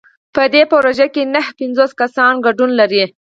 په دې پروژه کې نهه پنځوس کسان ګډون لري.